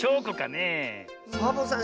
サボさん